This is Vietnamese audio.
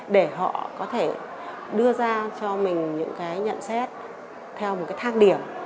để họ có thể đưa ra cho mình những cái nhận xét theo một cái thang điểm